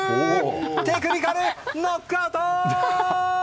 テクニカルノックアウト！